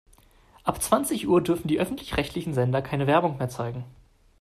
Ab zwanzig Uhr dürfen die öffentlich-rechtlichen Sender keine Werbung mehr zeigen.